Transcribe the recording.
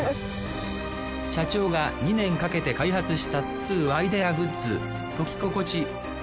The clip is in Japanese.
社長が２年かけて開発したっつうアイデアグッズときここち。